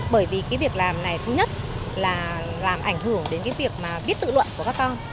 bởi vì cái việc làm này thứ nhất là làm ảnh hưởng đến cái việc mà biết tự luận của các con